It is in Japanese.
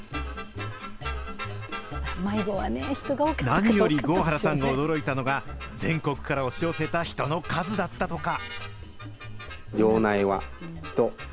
何より合原さんが驚いたのが、全国から押し寄せた人の数だったとか。